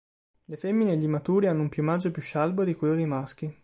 Le femmine e gli immaturi hanno un piumaggio più scialbo di quello dei maschi.